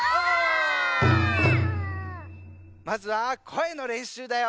まずはこえのれんしゅうだよ！